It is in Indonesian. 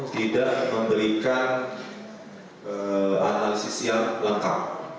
tidak memberikan analisis yang lengkap